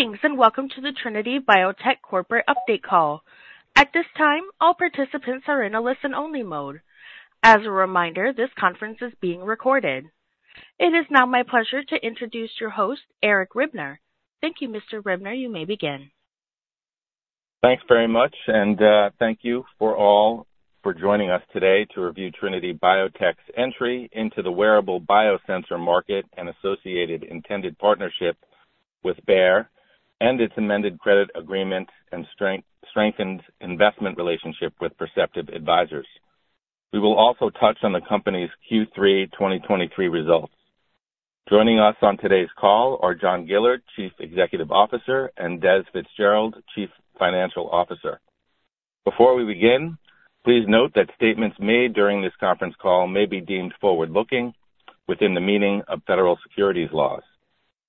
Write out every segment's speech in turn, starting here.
Greetings, and welcome to the Trinity Biotech Corporate Update Call. At this time, all participants are in a listen-only mode. As a reminder, this conference is being recorded. It is now my pleasure to introduce your host, Eric Ribner. Thank you, Mr. Ribner. You may begin. Thanks very much, and thank you for all for joining us today to review Trinity Biotech's entry into the wearable biosensor market and associated intended partnership with Bayer and its amended credit agreement and strengthened investment relationship with Perceptive Advisors. We will also touch on the company's Q3 2023 results. Joining us on today's call are John Gillard, Chief Executive Officer, and Des Fitzgerald, Chief Financial Officer. Before we begin, please note that statements made during this conference call may be deemed forward-looking within the meaning of federal securities laws.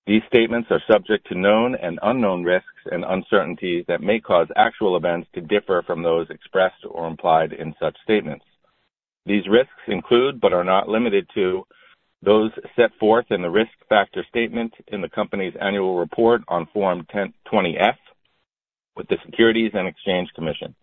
These statements are subject to known and unknown risks and uncertainties that may cause actual events to differ from those expressed or implied in such statements. These risks include, but are not limited to, those set forth in the risk factor statement in the company's annual report on Form 20-F with the Securities and Exchange Commission.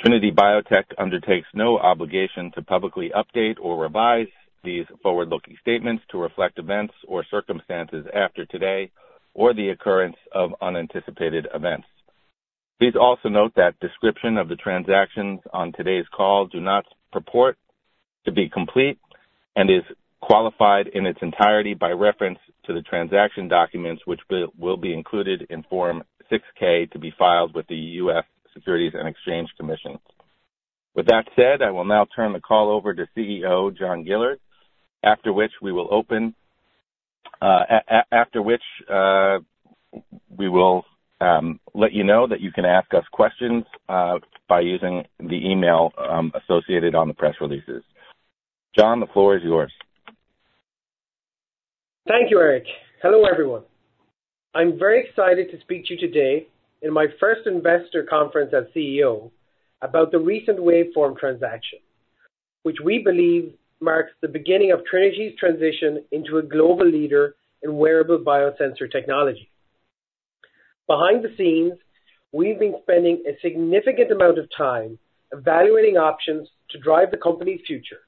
Trinity Biotech undertakes no obligation to publicly update or revise these forward-looking statements to reflect events or circumstances after today or the occurrence of unanticipated events. Please also note that description of the transactions on today's call do not purport to be complete and is qualified in its entirety by reference to the transaction documents, which will be included in Form 6-K to be filed with the U.S. Securities and Exchange Commission. With that said, I will now turn the call over to CEO John Gillard, after which we will let you know that you can ask us questions by using the email associated on the press releases. John, the floor is yours. Thank you, Eric. Hello, everyone. I'm very excited to speak to you today in my first investor conference as CEO about the recent Waveform transaction, which we believe marks the beginning of Trinity's transition into a global leader in wearable biosensor technology. Behind the scenes, we've been spending a significant amount of time evaluating options to drive the company's future,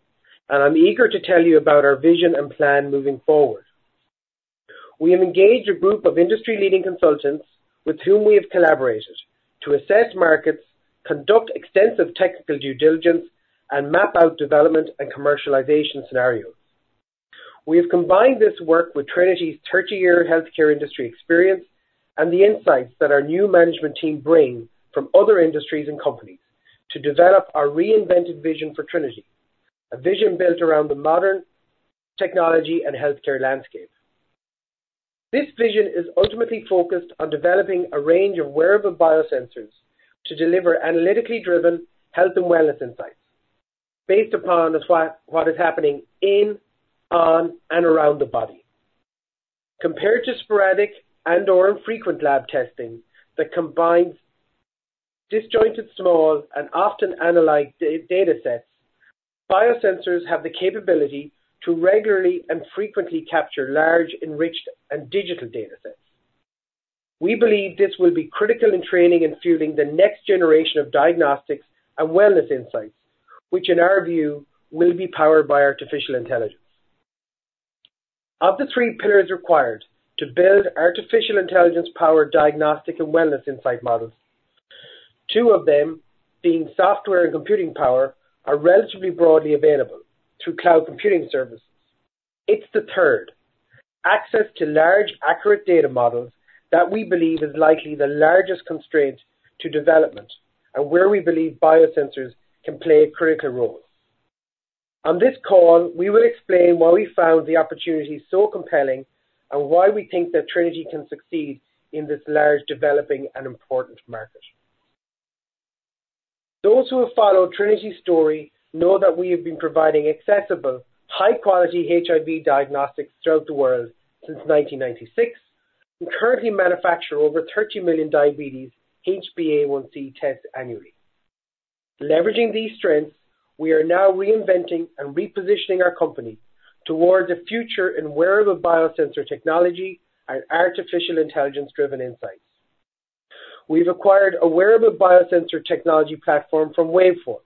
and I'm eager to tell you about our vision and plan moving forward. We have engaged a group of industry-leading consultants with whom we have collaborated to assess markets, conduct extensive technical due diligence, and map out development and commercialization scenarios. We have combined this work with Trinity's 30-year healthcare industry experience and the insights that our new management team bring from other industries and companies to develop our reinvented vision for Trinity, a vision built around the modern technology and healthcare landscape. This vision is ultimately focused on developing a range of wearable biosensors to deliver analytically driven health and wellness insights based upon what is happening in, on, and around the body. Compared to sporadic and/or infrequent lab testing that combines disjointed, small, and often analyzed data sets, biosensors have the capability to regularly and frequently capture large, enriched, and digital data sets. We believe this will be critical in training and fueling the next generation of diagnostics and wellness insights, which, in our view, will be powered by artificial intelligence. Of the three pillars required to build artificial intelligence-powered diagnostic and wellness insight models, two of them, being software and computing power, are relatively broadly available through cloud computing services. It's the third, access to large, accurate data models, that we believe is likely the largest constraint to development and where we believe biosensors can play a critical role. On this call, we will explain why we found the opportunity so compelling and why we think that Trinity can succeed in this large, developing, and important market. Those who have followed Trinity's story know that we have been providing accessible, high-quality HIV diagnostics throughout the world since 1996 and currently manufacture over 30 million diabetes HbA1c tests annually. Leveraging these strengths, we are now reinventing and repositioning our company towards a future in wearable biosensor technology and artificial intelligence-driven insights. We've acquired a wearable biosensor technology platform from Waveform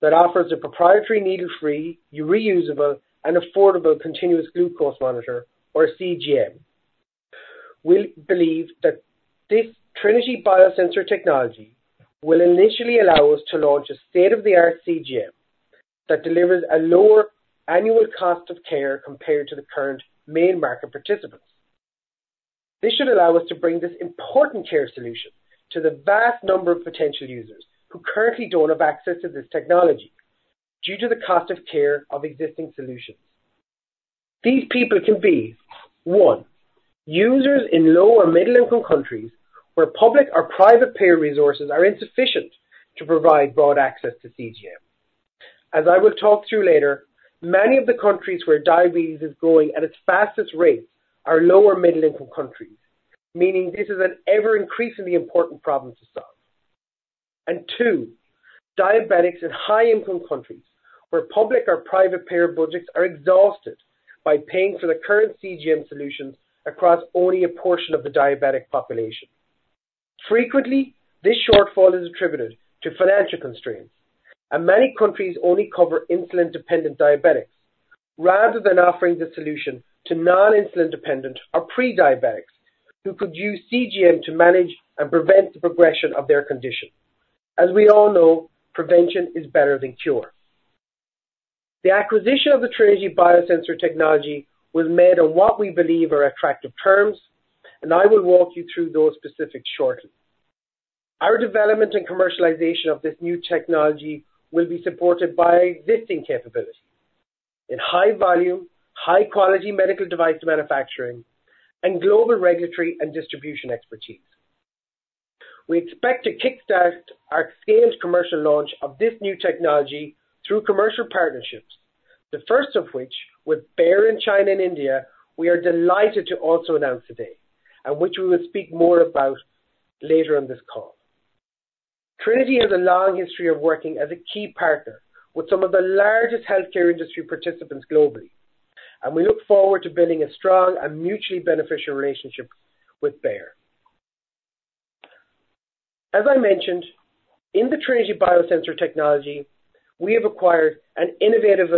that offers a proprietary, needle-free, reusable, and affordable continuous glucose monitor, or CGM. We believe that this Trinity biosensor technology will initially allow us to launch a state-of-the-art CGM that delivers a lower annual cost of care compared to the current main market participants. This should allow us to bring this important care solution to the vast number of potential users who currently don't have access to this technology due to the cost of care of existing solutions. These people can be, one, users in low- or middle-income countries where public or private payer resources are insufficient to provide broad access to CGM. As I will talk through later, many of the countries where diabetes is growing at its fastest rates are low or middle-income countries, meaning this is an ever-increasingly important problem to solve.... And two, diabetics in high-income countries, where public or private payer budgets are exhausted by paying for the current CGM solutions across only a portion of the diabetic population. Frequently, this shortfall is attributed to financial constraints, and many countries only cover insulin-dependent diabetics, rather than offering the solution to non-insulin dependent or pre-diabetics, who could use CGM to manage and prevent the progression of their condition. As we all know, prevention is better than cure. The acquisition of the Trinity Biosensor technology was made on what we believe are attractive terms, and I will walk you through those specifics shortly. Our development and commercialization of this new technology will be supported by existing capabilities in high volume, high quality medical device manufacturing, and global regulatory and distribution expertise. We expect to kickstart our scaled commercial launch of this new technology through commercial partnerships, the first of which, with Bayer in China and India, we are delighted to also announce today, and which we will speak more about later in this call. Trinity has a long history of working as a key partner with some of the largest healthcare industry participants globally, and we look forward to building a strong and mutually beneficial relationship with Bayer. As I mentioned, in the Trinity Biosensor technology, we have acquired an innovative,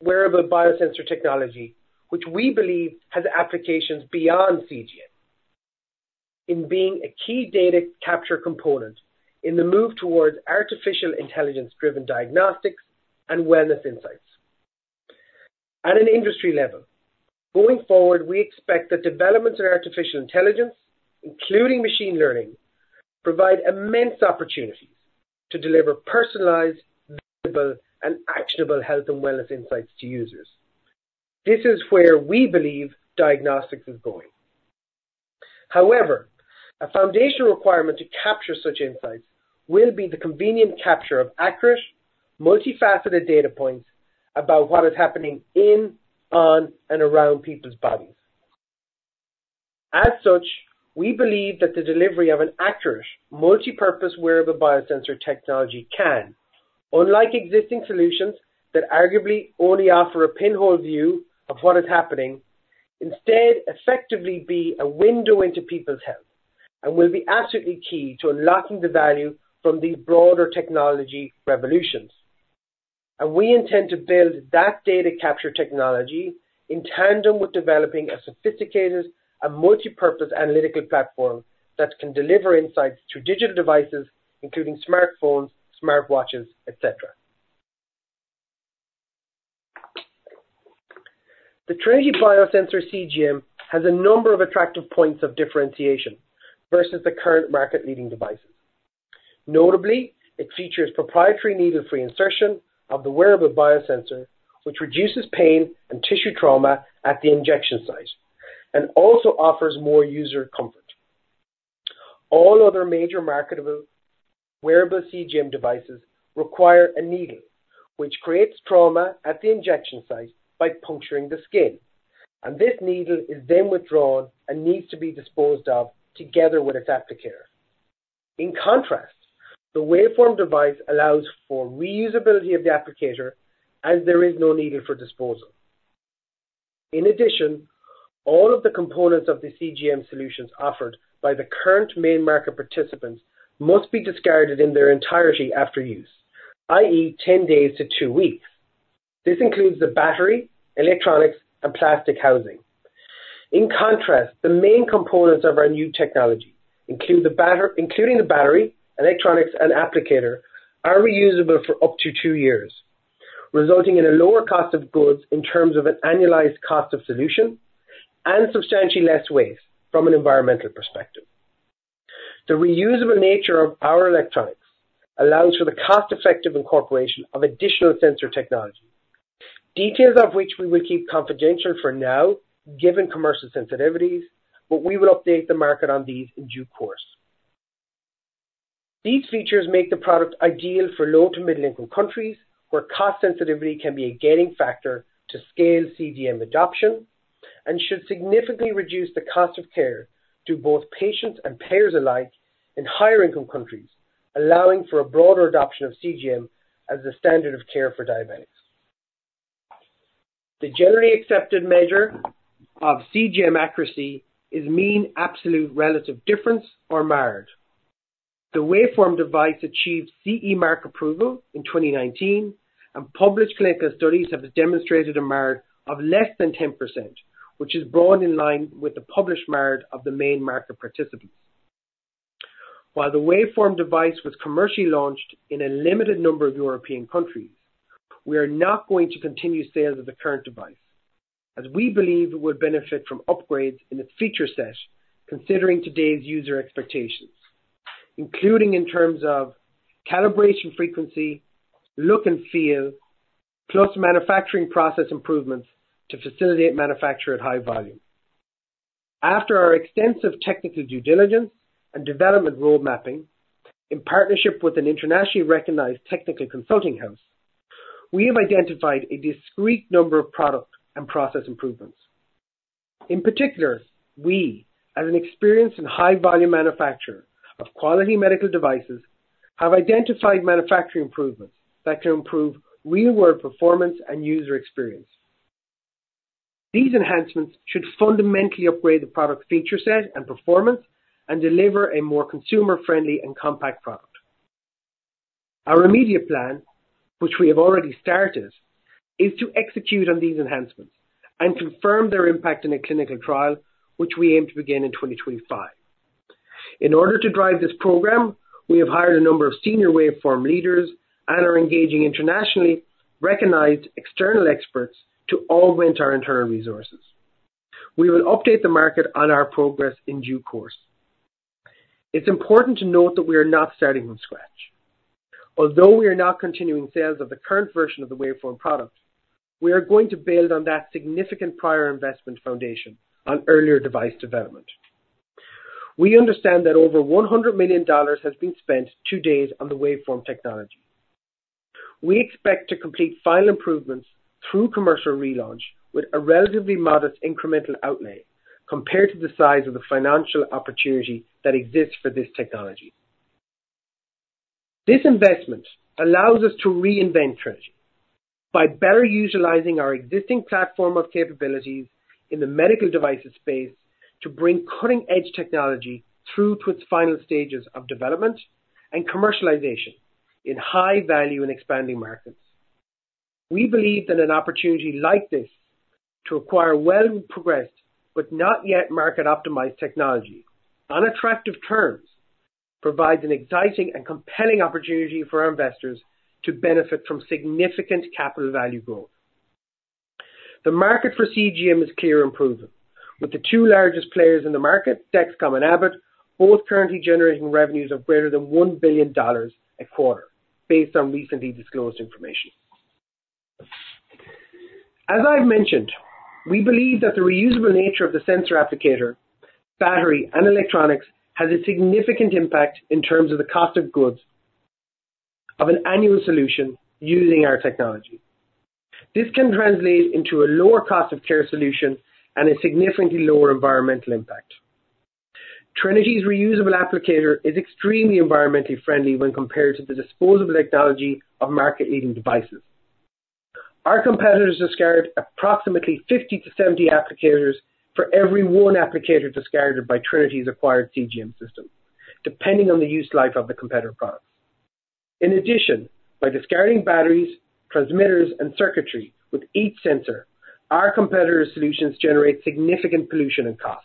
wearable biosensor technology, which we believe has applications beyond CGM in being a key data capture component in the move towards artificial intelligence-driven diagnostics and wellness insights. At an industry level, going forward, we expect the developments in artificial intelligence, including machine learning, provide immense opportunities to deliver personalized, visible, and actionable health and wellness insights to users. This is where we believe diagnostics is going. However, a foundational requirement to capture such insights will be the convenient capture of accurate, multifaceted data points about what is happening in, on, and around people's bodies. As such, we believe that the delivery of an accurate, multipurpose wearable biosensor technology can, unlike existing solutions that arguably only offer a pinhole view of what is happening, instead effectively be a window into people's health and will be absolutely key to unlocking the value from these broader technology revolutions. We intend to build that data capture technology in tandem with developing a sophisticated and multipurpose analytical platform that can deliver insights through digital devices, including smartphones, smartwatches, et cetera. The Trinity Biosensor CGM has a number of attractive points of differentiation versus the current market-leading devices. Notably, it features proprietary needle-free insertion of the wearable biosensor, which reduces pain and tissue trauma at the injection site and also offers more user comfort. All other major marketable wearable CGM devices require a needle, which creates trauma at the injection site by puncturing the skin, and this needle is then withdrawn and needs to be disposed of together with its applicator. In contrast, the Waveform device allows for reusability of the applicator as there is no needle for disposal. In addition, all of the components of the CGM solutions offered by the current main market participants must be discarded in their entirety after use, i.e., 10 days to two weeks. This includes the battery, electronics, and plastic housing. In contrast, the main components of our new technology, include the battery, electronics, and applicator, are reusable for up to two years, resulting in a lower cost of goods in terms of an annualized cost of solution and substantially less waste from an environmental perspective. The reusable nature of our electronics allows for the cost-effective incorporation of additional sensor technology, details of which we will keep confidential for now, given commercial sensitivities, but we will update the market on these in due course. These features make the product ideal for low- to middle-income countries, where cost sensitivity can be a gaining factor to scale CGM adoption and should significantly reduce the cost of care to both patients and payers alike in higher-income countries, allowing for a broader adoption of CGM as a standard of care for diabetics. The generally accepted measure of CGM accuracy is mean absolute relative difference, or MARD. The Waveform device achieved CE Mark approval in 2019, and published clinical studies have demonstrated a MARD of less than 10%, which is broadly in line with the published MARD of the main market participants. While the waveform device was commercially launched in a limited number of European countries, we are not going to continue sales of the current device, as we believe it would benefit from upgrades in its feature set, considering today's user expectations, including in terms of calibration frequency, look and feel, plus manufacturing process improvements to facilitate manufacture at high volume. After our extensive technical due diligence and development road mapping, in partnership with an internationally recognized technical consulting house, we have identified a discrete number of product and process improvements.... In particular, we, as an experienced and high-volume manufacturer of quality medical devices, have identified manufacturing improvements that can improve real-world performance and user experience. These enhancements should fundamentally upgrade the product feature set and performance and deliver a more consumer-friendly and compact product. Our immediate plan, which we have already started, is to execute on these enhancements and confirm their impact in a clinical trial, which we aim to begin in 2025. In order to drive this program, we have hired a number of senior Waveform leaders and are engaging internationally recognized external experts to augment our internal resources. We will update the market on our progress in due course. It's important to note that we are not starting from scratch. Although we are not continuing sales of the current version of the Waveform product, we are going to build on that significant prior investment foundation on earlier device development. We understand that over $100 million has been spent to date on the Waveform technology. We expect to complete final improvements through commercial relaunch with a relatively modest incremental outlay compared to the size of the financial opportunity that exists for this technology. This investment allows us to reinvent Trinity by better utilizing our existing platform of capabilities in the medical devices space to bring cutting-edge technology through to its final stages of development and commercialization in high value and expanding markets. We believe that an opportunity like this to acquire well-progressed but not yet market-optimized technology on attractive terms, provides an exciting and compelling opportunity for our investors to benefit from significant capital value growth. The market for CGM is clear improvement, with the two largest players in the market, Dexcom and Abbott, both currently generating revenues of greater than $1 billion a quarter, based on recently disclosed information. As I've mentioned, we believe that the reusable nature of the sensor applicator, battery, and electronics has a significant impact in terms of the cost of goods of an annual solution using our technology. This can translate into a lower cost of care solution and a significantly lower environmental impact. Trinity's reusable applicator is extremely environmentally friendly when compared to the disposable technology of market-leading devices. Our competitors discard approximately 50-70 applicators for every one applicator discarded by Trinity's acquired CGM system, depending on the use life of the competitor products. In addition, by discarding batteries, transmitters, and circuitry with each sensor, our competitors' solutions generate significant pollution and cost.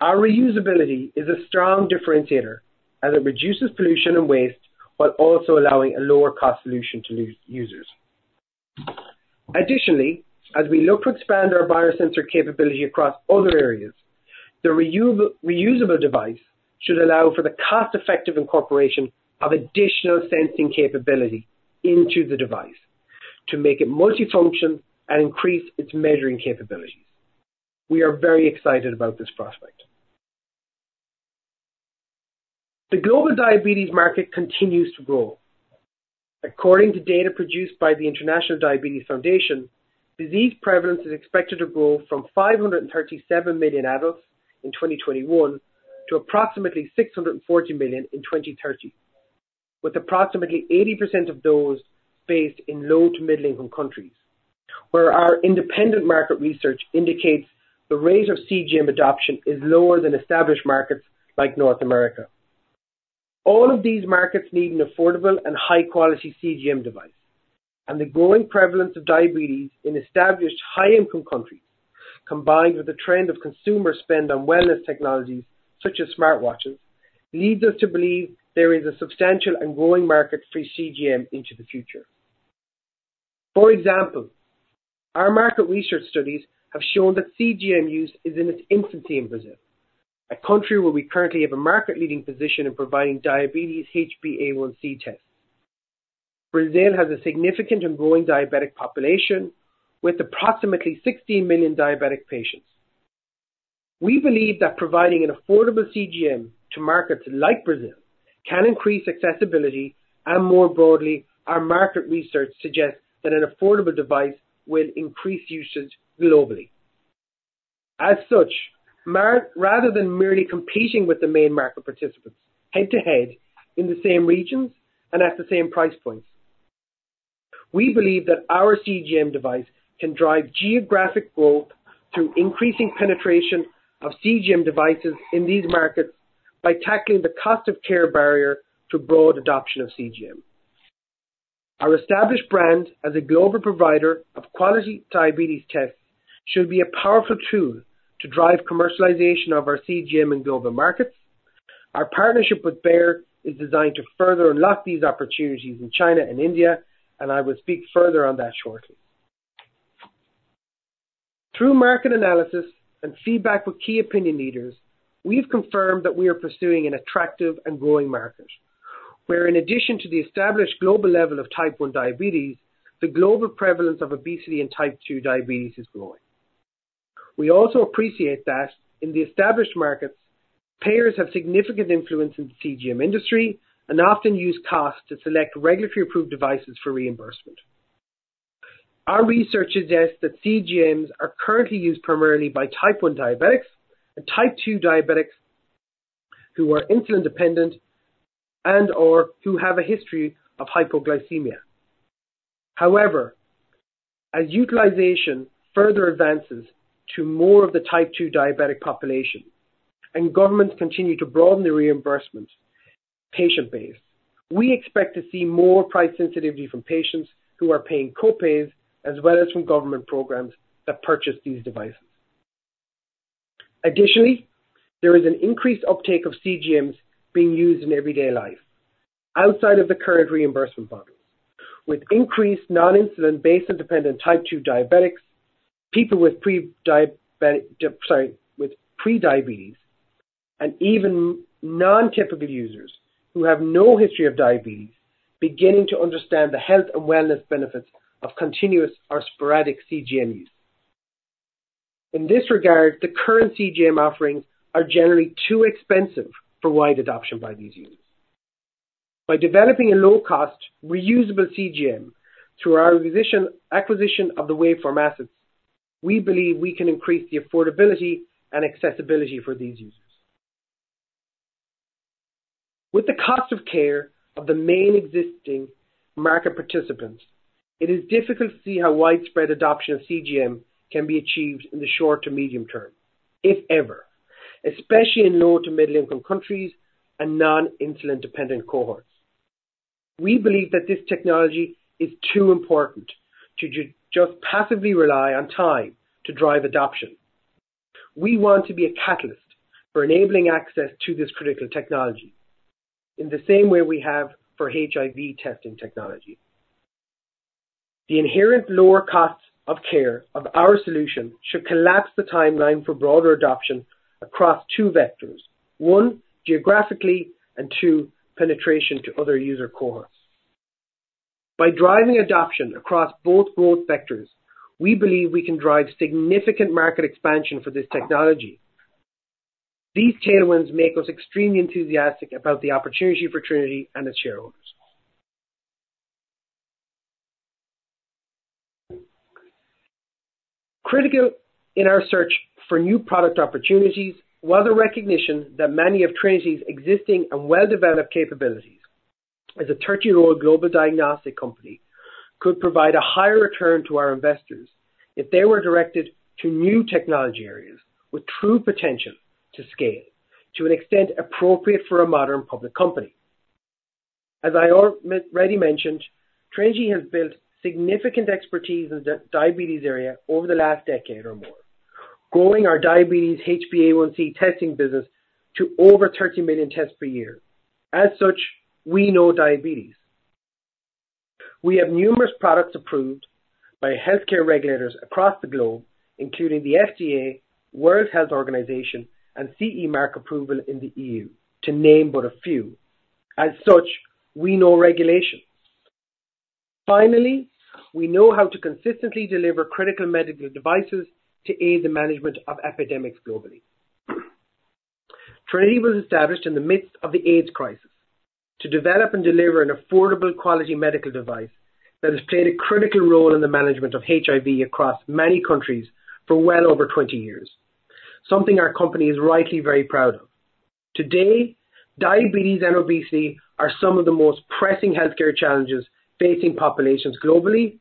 Our reusability is a strong differentiator as it reduces pollution and waste, while also allowing a lower cost solution to users. Additionally, as we look to expand our biosensor capability across other areas, the reusable device should allow for the cost-effective incorporation of additional sensing capability into the device to make it multifunction and increase its measuring capabilities. We are very excited about this prospect. The global diabetes market continues to grow. According to data produced by the International Diabetes Federation, disease prevalence is expected to grow from 537 million adults in 2021 to approximately 640 million in 2030, with approximately 80% of those based in low- to middle-income countries, where our independent market research indicates the rate of CGM adoption is lower than established markets like North America. All of these markets need an affordable and high-quality CGM device, and the growing prevalence of diabetes in established high-income countries, combined with the trend of consumer spend on wellness technologies, such as smartwatches, leads us to believe there is a substantial and growing market for CGM into the future. For example, our market research studies have shown that CGM use is in its infancy in Brazil, a country where we currently have a market-leading position in providing diabetes HbA1c tests. Brazil has a significant and growing diabetic population with approximately 60 million diabetic patients. We believe that providing an affordable CGM to markets like Brazil can increase accessibility, and more broadly, our market research suggests that an affordable device will increase usage globally. As such, rather than merely competing with the main market participants head-to-head in the same regions and at the same price points, we believe that our CGM device can drive geographic growth through increasing penetration of CGM devices in these markets by tackling the cost of care barrier to broad adoption of CGM. Our established brand as a global provider of quality diabetes tests should be a powerful tool to drive commercialization of our CGM in global markets. Our partnership with Bayer is designed to further unlock these opportunities in China and India, and I will speak further on that shortly. Through market analysis and feedback with key opinion leaders, we've confirmed that we are pursuing an attractive and growing market, where in addition to the established global level of type one diabetes, the global prevalence of obesity and type 2 diabetes is growing. We also appreciate that in the established markets, payers have significant influence in the CGM industry and often use cost to select regulatory approved devices for reimbursement. Our research suggests that CGMs are currently used primarily by type 1 diabetics and type 2 diabetics who are insulin dependent and/or who have a history of hypoglycemia. However, as utilization further advances to more of the type 2 diabetic population, and governments continue to broaden the reimbursement patient base, we expect to see more price sensitivity from patients who are paying co-pays, as well as from government programs that purchase these devices. Additionally, there is an increased uptake of CGMs being used in everyday life outside of the current reimbursement models, with increased non-insulin dependent type two diabetics, people with pre-diabetic, sorry, with pre-diabetes, and even non-typical users who have no history of diabetes, beginning to understand the health and wellness benefits of continuous or sporadic CGM use. In this regard, the current CGM offerings are generally too expensive for wide adoption by these users. By developing a low-cost, reusable CGM through our acquisition of the Waveform assets, we believe we can increase the affordability and accessibility for these users. With the cost of care of the main existing market participants, it is difficult to see how widespread adoption of CGM can be achieved in the short to medium term, if ever, especially in low to middle income countries and non-insulin dependent cohorts. We believe that this technology is too important to just passively rely on time to drive adoption. We want to be a catalyst for enabling access to this critical technology, in the same way we have for HIV testing technology. The inherent lower costs of care of our solution should collapse the timeline for broader adoption across two vectors: one, geographically, and two, penetration to other user cohorts. By driving adoption across both growth vectors, we believe we can drive significant market expansion for this technology. These tailwinds make us extremely enthusiastic about the opportunity for Trinity and its shareholders. Critical in our search for new product opportunities was a recognition that many of Trinity's existing and well-developed capabilities as a 30-year-old global diagnostic company, could provide a higher return to our investors if they were directed to new technology areas with true potential to scale, to an extent appropriate for a modern public company. As I already mentioned, Trinity has built significant expertise in the diabetes area over the last decade or more, growing our diabetes HbA1c testing business to over 30 million tests per year. As such, we know diabetes. We have numerous products approved by healthcare regulators across the globe, including the FDA, World Health Organization, and CE Mark approval in the EU, to name but a few. As such, we know regulation. Finally, we know how to consistently deliver critical medical devices to aid the management of epidemics globally. Trinity was established in the midst of the AIDS crisis to develop and deliver an affordable, quality medical device that has played a critical role in the management of HIV across many countries for well over 20 years, something our company is rightly very proud of. Today, diabetes and obesity are some of the most pressing healthcare challenges facing populations globally,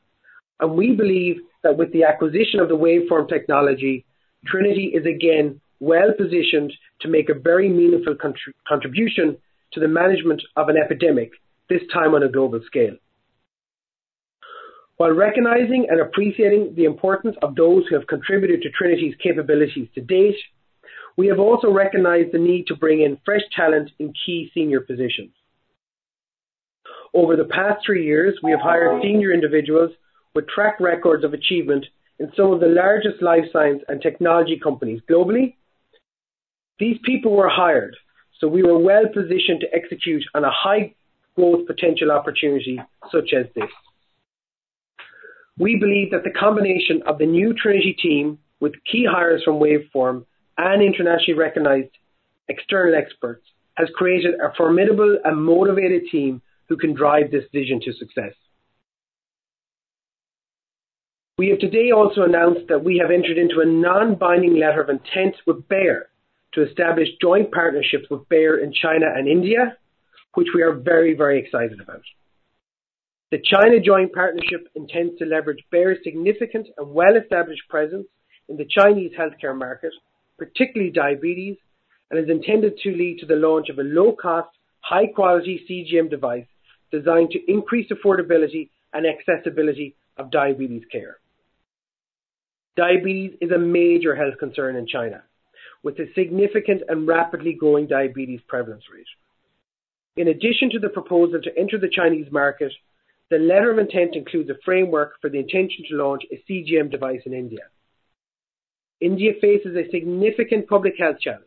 and we believe that with the acquisition of the Waveform technology, Trinity is again well positioned to make a very meaningful contribution to the management of an epidemic, this time on a global scale. While recognizing and appreciating the importance of those who have contributed to Trinity's capabilities to date, we have also recognized the need to bring in fresh talent in key senior positions. Over the past three years, we have hired senior individuals with track records of achievement in some of the largest life science and technology companies globally. These people were hired, so we were well positioned to execute on a high growth potential opportunity such as this. We believe that the combination of the new Trinity team with key hires from Waveform and internationally recognized external experts, has created a formidable and motivated team who can drive this vision to success. We have today also announced that we have entered into a non-binding letter of intent with Bayer to establish joint partnerships with Bayer in China and India, which we are very, very excited about. The China joint partnership intends to leverage Bayer's significant and well-established presence in the Chinese healthcare market, particularly diabetes, and is intended to lead to the launch of a low-cost, high-quality CGM device designed to increase affordability and accessibility of diabetes care. Diabetes is a major health concern in China, with a significant and rapidly growing diabetes prevalence rate. In addition to the proposal to enter the Chinese market, the letter of intent includes a framework for the intention to launch a CGM device in India. India faces a significant public health challenge,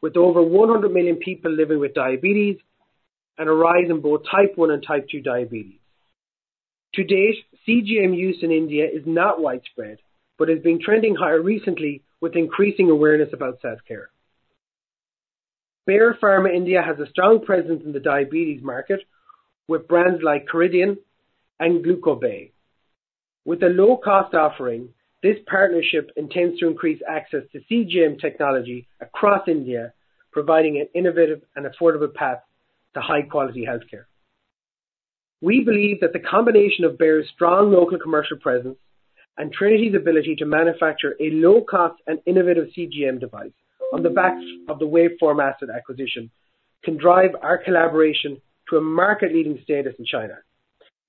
with over 100 million people living with diabetes and a rise in both type one and type two diabetes.... To date, CGM use in India is not widespread, but has been trending higher recently with increasing awareness about self-care. Bayer Pharma India has a strong presence in the diabetes market, with brands like Kerendia and Glucobay. With a low-cost offering, this partnership intends to increase access to CGM technology across India, providing an innovative and affordable path to high-quality healthcare. We believe that the combination of Bayer's strong local commercial presence and Trinity's ability to manufacture a low-cost and innovative CGM device on the back of the Waveform asset acquisition, can drive our collaboration to a market-leading status in China,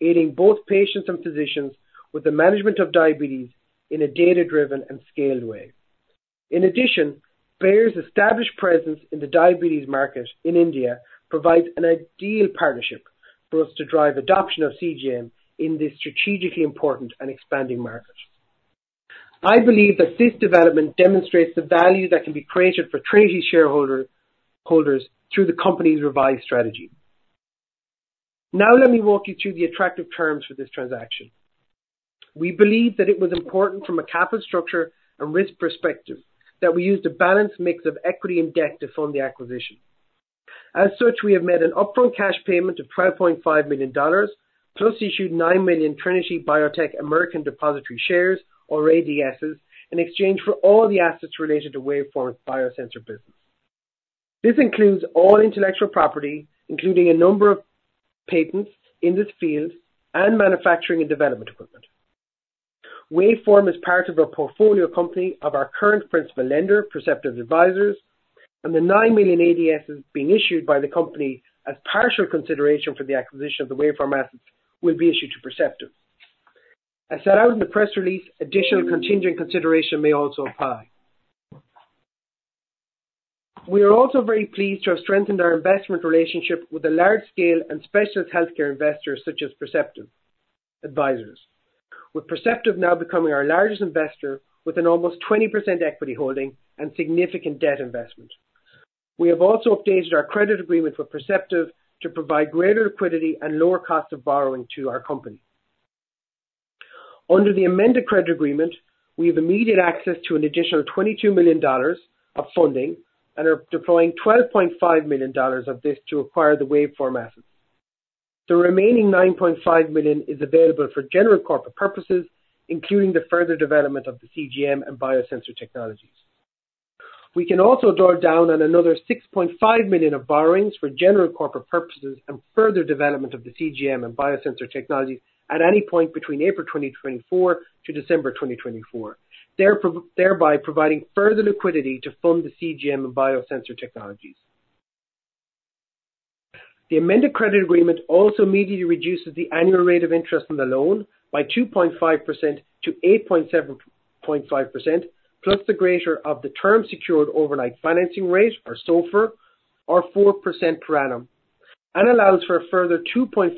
aiding both patients and physicians with the management of diabetes in a data-driven and scaled way. In addition, Bayer's established presence in the diabetes market in India provides an ideal partnership for us to drive adoption of CGM in this strategically important and expanding market. I believe that this development demonstrates the value that can be created for Trinity shareholders through the company's revised strategy. Now let me walk you through the attractive terms for this transaction. We believe that it was important from a capital structure and risk perspective, that we use a balanced mix of equity and debt to fund the acquisition. As such, we have made an upfront cash payment of $12.5 million, plus issued 9 million Trinity Biotech American Depositary Shares, or ADSs, in exchange for all the assets related to Waveform biosensor business. This includes all intellectual property, including a number of patents in this field and manufacturing and development equipment. Waveform is part of our portfolio company of our current principal lender, Perceptive Advisors, and the 9 million ADSs being issued by the company as partial consideration for the acquisition of the Waveform assets, will be issued to Perceptive. As set out in the press release, additional contingent consideration may also apply. We are also very pleased to have strengthened our investment relationship with a large scale and specialist healthcare investors such as Perceptive Advisors, with Perceptive now becoming our largest investor, with an almost 20% equity holding and significant debt investment. We have also updated our credit agreement with Perceptive to provide greater liquidity and lower cost of borrowing to our company. Under the amended credit agreement, we have immediate access to an additional $22 million of funding and are deploying 12.5 million of this to acquire the Waveform assets. The remaining $9.5 million is available for general corporate purposes, including the further development of the CGM and biosensor technologies. We can also draw down on another $6.5 million of borrowings for general corporate purposes and further development of the CGM and biosensor technologies at any point between April 2024 to December 2024, thereby providing further liquidity to fund the CGM and biosensor technologies. The amended credit agreement also immediately reduces the annual rate of interest on the loan by 2.5% to 8.75%, plus the greater of the term secured overnight financing rate, or SOFR, or 4% per annum, and allows for a further 2.5%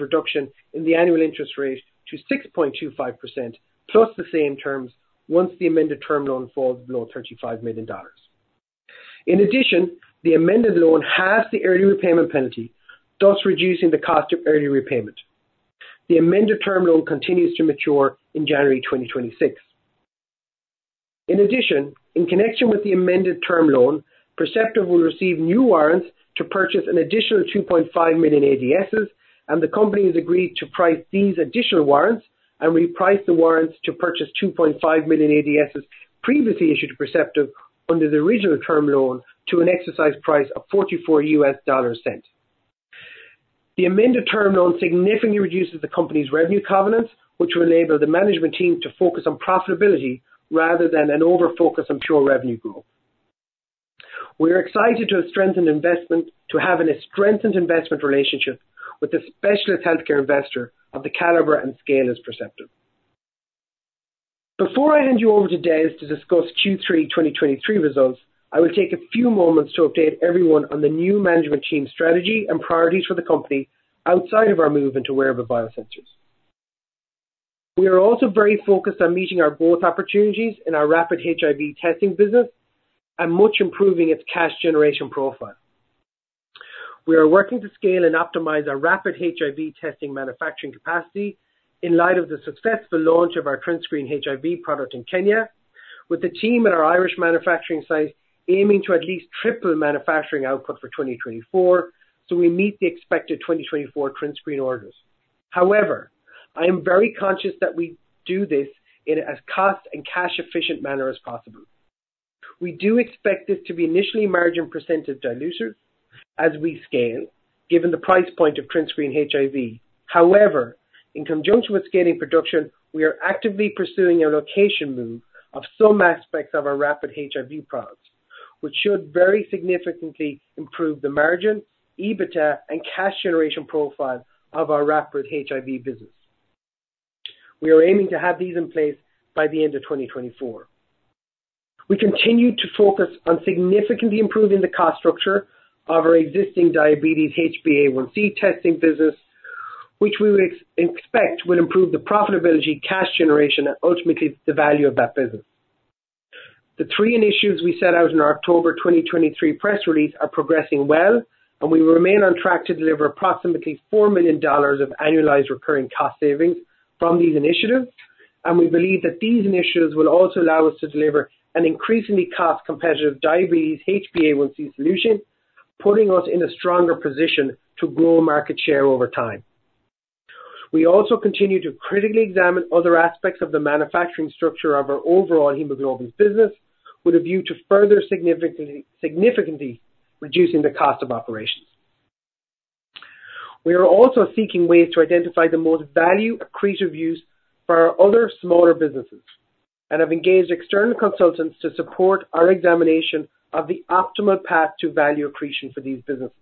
reduction in the annual interest rate to 6.25%, plus the same terms once the amended term loan falls below $35 million. In addition, the amended loan halves the early repayment penalty, thus reducing the cost of early repayment. The amended term loan continues to mature in January 2026. In addition, in connection with the amended term loan, Perceptive will receive new warrants to purchase an additional 2.5 million ADSs, and the company has agreed to price these additional warrants and reprice the warrants to purchase 2.5 million ADSs previously issued to Perceptive under the original term loan to an exercise price of $0.44. The amended term loan significantly reduces the company's revenue covenants, which will enable the management team to focus on profitability rather than an overfocus on pure revenue growth. We are excited to have a strengthened investment relationship with the specialist healthcare investor of the caliber and scale as Perceptive. Before I hand you over to Des to discuss Q3 2023 results, I will take a few moments to update everyone on the new management team's strategy and priorities for the company outside of our move into wearable biosensors. We are also very focused on meeting our growth opportunities in our rapid HIV testing business and much improving its cash generation profile. We are working to scale and optimize our rapid HIV testing manufacturing capacity in light of the successful launch of our TrinScreen HIV product in Kenya, with the team at our Irish manufacturing site aiming to at least triple manufacturing output for 2024, so we meet the expected 2024 TrinScreen orders. However, I am very conscious that we do this in as cost- and cash-efficient manner as possible. We do expect this to be initially margin percentage dilutive as we scale, given the price point of TrinScreen HIV. However, in conjunction with scaling production, we are actively pursuing a location move of some aspects of our rapid HIV products, which should very significantly improve the margin, EBITDA, and cash generation profile of our rapid HIV business. We are aiming to have these in place by the end of 2024. We continue to focus on significantly improving the cost structure of our existing diabetes HbA1c testing business, which we expect will improve the profitability, cash generation, and ultimately the value of that business.... The three initiatives we set out in our October 2023 press release are progressing well, and we remain on track to deliver approximately $4 million of annualized recurring cost savings from these initiatives. We believe that these initiatives will also allow us to deliver an increasingly cost-competitive diabetes HbA1c solution, putting us in a stronger position to grow market share over time. We also continue to critically examine other aspects of the manufacturing structure of our overall hemoglobin business, with a view to further significantly, significantly reducing the cost of operations. We are also seeking ways to identify the most value accretive views for our other smaller businesses, and have engaged external consultants to support our examination of the optimal path to value accretion for these businesses.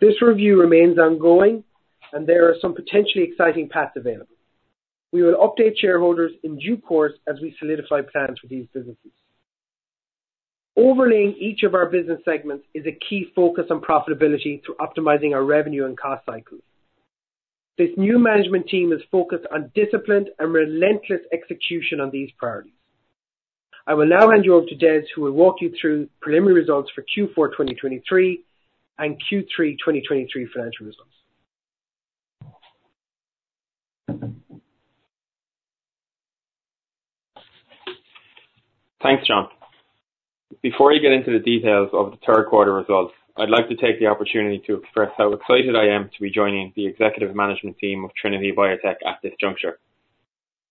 This review remains ongoing, and there are some potentially exciting paths available. We will update shareholders in due course as we solidify plans for these businesses. Overlaying each of our business segments is a key focus on profitability through optimizing our revenue and cost cycles. This new management team is focused on disciplined and relentless execution on these priorities. I will now hand you over to Des, who will walk you through preliminary results for Q4 2023 and Q3 2023 financial results. Thanks, John. Before I get into the details of the third quarter results, I'd like to take the opportunity to express how excited I am to be joining the executive management team of Trinity Biotech at this juncture.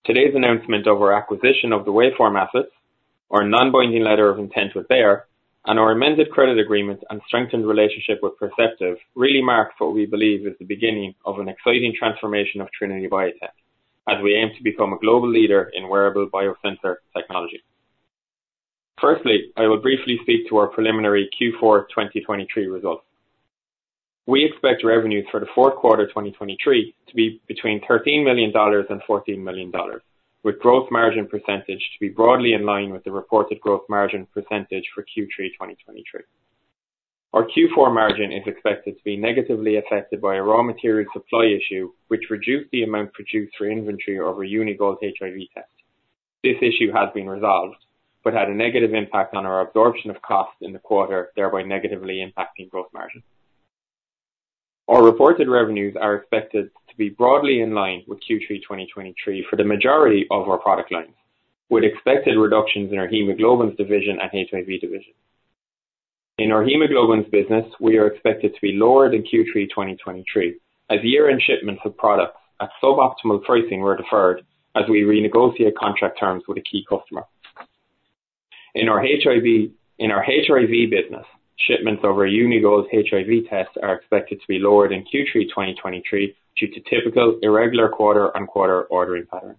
Today's announcement of our acquisition of the Waveform assets, our non-binding letter of intent with Bayer, and our amended credit agreement and strengthened relationship with Perceptive, really marks what we believe is the beginning of an exciting transformation of Trinity Biotech, as we aim to become a global leader in wearable biosensor technology. Firstly, I will briefly speak to our preliminary Q4 2023 results. We expect revenues for Q4 2023 to be between $13 and 14 million, with growth margin percentage to be broadly in line with the reported gross margin percentage for Q3 2023. Our Q4 margin is expected to be negatively affected by a raw material supply issue, which reduced the amount produced for inventory over Uni-Gold HIV test. This issue has been resolved, but had a negative impact on our absorption of costs in the quarter, thereby negatively impacting gross margin. Our reported revenues are expected to be broadly in line with Q3 2023 for the majority of our product lines, with expected reductions in our hemoglobins division and HIV division. In our hemoglobins business, we are expected to be lower than Q3 2023, as year-end shipments of products at suboptimal pricing were deferred as we renegotiate contract terms with a key customer. In our HIV business, shipments over Uni-Gold HIV tests are expected to be lower than Q3 2023, due to typical irregular quarter-on-quarter ordering patterns.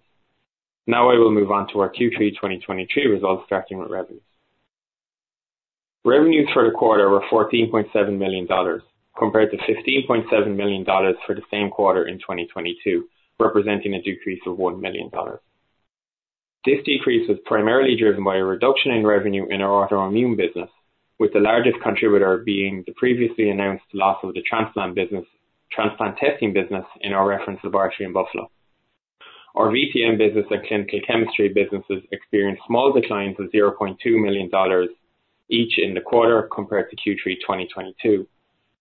Now I will move on to our Q3 2023 results, starting with revenues. Revenues for the quarter were $14.7 compared to 16.7 million for the same quarter in 2022, representing a decrease of $1 million. This decrease was primarily driven by a reduction in revenue in our autoimmune business, with the largest contributor being the previously announced loss of the transplant business, transplant testing business in our reference laboratory in Buffalo. Our VTM business and clinical chemistry businesses experienced small declines of $0.2 million, each in the quarter compared to Q3 2022,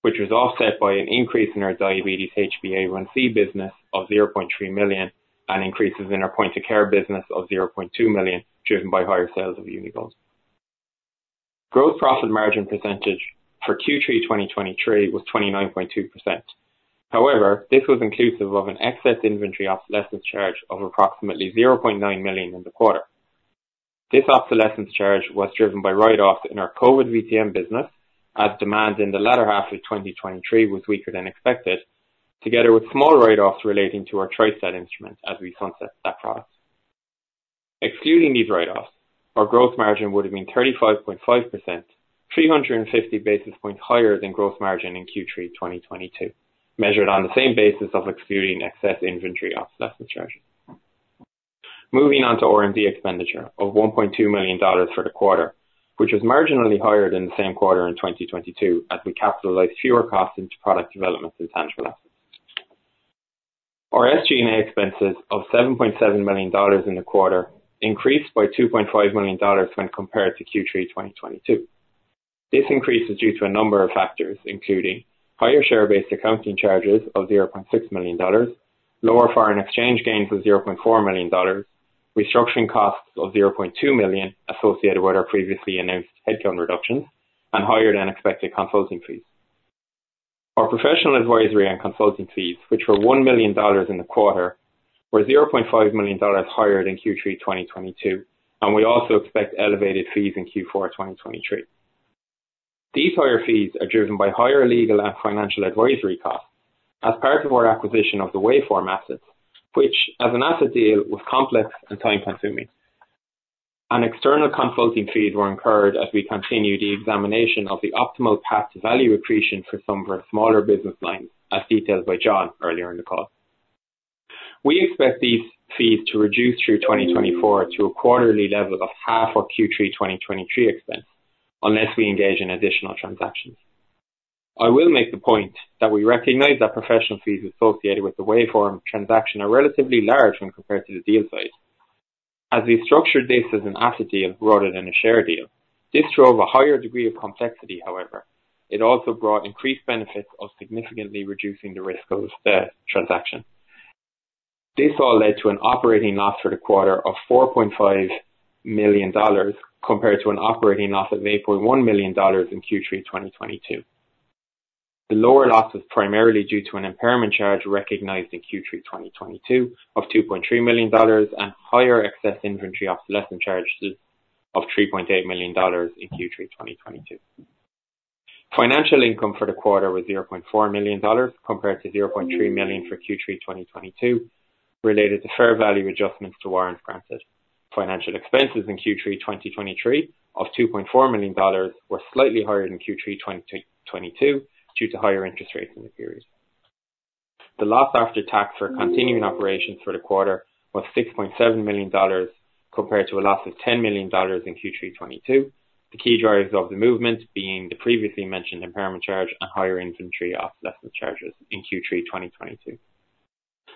which was offset by an increase in our diabetes HbA1c business of $0.3 million, and increases in our point of care business of 0.2 million, driven by higher sales of UniGolds. Gross profit margin percentage for Q3 2023 was 29.2%. However, this was inclusive of an excess inventory obsolescence charge of approximately $0.9 million in the quarter. This obsolescence charge was driven by write-offs in our COVID VTM business, as demand in the latter half of 2023 was weaker than expected, together with small write-offs relating to our Tri-Stat instrument as we sunset that product. Excluding these write-offs, our growth margin would have been 35.5%, 350 basis points higher than growth margin in Q3 2022, measured on the same basis of excluding excess inventory obsolescence charge. Moving on to R&D expenditure of $1.2 million for the quarter, which was marginally higher than the same quarter in 2022, as we capitalized fewer costs into product development than tangible assets. Our SG&A expenses of $7.7 million in the quarter increased by 2.5 million when compared to Q3 2022. This increase is due to a number of factors, including higher share-based accounting charges of $0.6 million, lower foreign exchange gains of 0.4 million, restructuring costs of $0.2 million associated with our previously announced headcount reductions, and higher-than-expected consulting fees. Our professional advisory and consulting fees, which were $1 million in the quarter, were 0.5 million higher than Q3 2022, and we also expect elevated fees in Q4 2023. These higher fees are driven by higher legal and financial advisory costs as part of our acquisition of the Waveform assets, which, as an asset deal, was complex and time-consuming. External consulting fees were incurred as we continue the examination of the optimal path to value accretion for some of our smaller business lines, as detailed by John earlier in the call. We expect these fees to reduce through 2024 to a quarterly level of half our Q3 2023 expense, unless we engage in additional transactions.... I will make the point that we recognize that professional fees associated with the Waveform transaction are relatively large when compared to the deal size. As we structured this as an asset deal rather than a share deal, this drove a higher degree of complexity, however, it also brought increased benefits of significantly reducing the risk of the transaction. This all led to an operating loss for the quarter of $4.5 compared to an operating loss of 8.1 million in Q3 2022. The lower loss is primarily due to an impairment charge recognized in Q3 2022 of $2.3 million, and higher excess inventory obsolescence charges of 3.8 million in Q3 2022. Financial income for the quarter was $0.4 compared to 0.3 million for Q3 2022, related to fair value adjustments to warrants granted. Financial expenses in Q3 2023 of $2.4 million were slightly higher than Q3 2022, due to higher interest rates in the period. The loss after tax for continuing operations for the quarter was $6.7 compared to a loss of 10 million in Q3 2022. The key drivers of the movement being the previously mentioned impairment charge and higher inventory obsolescence charges in Q3 2022.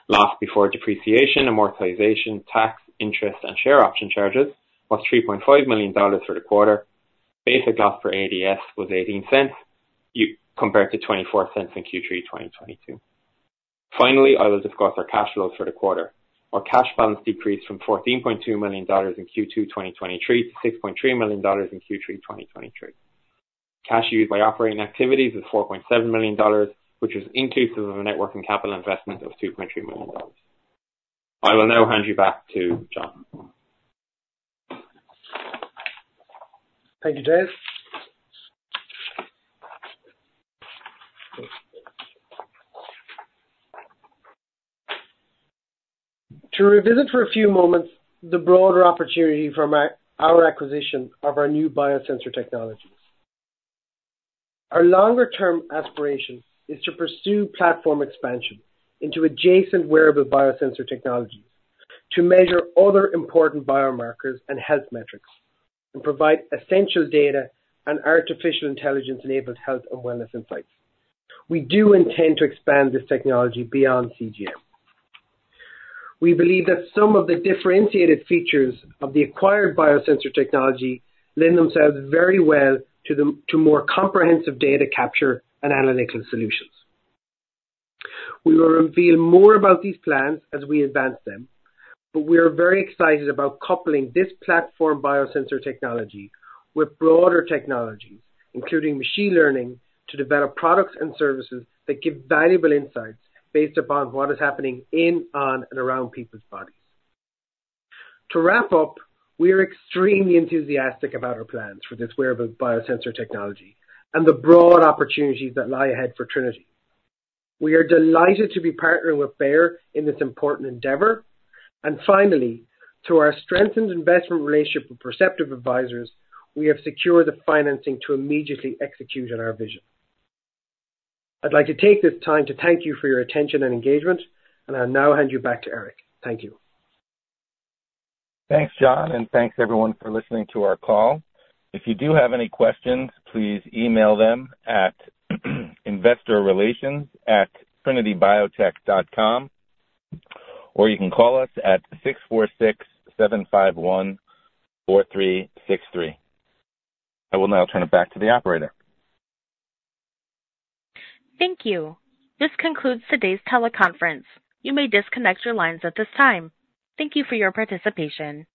Loss before depreciation, amortization, tax, interest, and share option charges was $3.5 million for the quarter. Basic loss per ADS was $0.18, compared to 0.24 in Q3 2022. Finally, I will discuss our cash flows for the quarter. Our cash balance decreased from $14.2 million in Q2 2023 to 6.3 million in Q3 2023. Cash used by operating activities was $4.7 million, which was inclusive of a net working capital investment of 2.3 million. I will now hand you back to John. Thank you, Des. To revisit for a few moments the broader opportunity from our acquisition of our new biosensor technologies. Our longer-term aspiration is to pursue platform expansion into adjacent wearable biosensor technologies, to measure other important biomarkers and health metrics, and provide essential data and artificial intelligence-enabled health and wellness insights. We do intend to expand this technology beyond CGM. We believe that some of the differentiated features of the acquired biosensor technology lend themselves very well to more comprehensive data capture and analytical solutions. We will reveal more about these plans as we advance them, but we are very excited about coupling this platform biosensor technology with broader technologies, including machine learning, to develop products and services that give valuable insights based upon what is happening in, on, and around people's bodies. To wrap up, we are extremely enthusiastic about our plans for this wearable biosensor technology and the broad opportunities that lie ahead for Trinity. We are delighted to be partnering with Bayer in this important endeavor. Finally, through our strengthened investment relationship with Perceptive Advisors, we have secured the financing to immediately execute on our vision. I'd like to take this time to thank you for your attention and engagement, and I'll now hand you back to Eric. Thank you. Thanks, John, and thanks everyone for listening to our call. If you do have any questions, please email them at investorrelations@trinitybiotech.com, or you can call us at 646-751-4363. I will now turn it back to the operator. Thank you. This concludes today's teleconference. You may disconnect your lines at this time. Thank you for your participation.